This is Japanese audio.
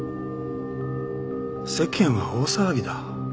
世間は大騒ぎだ。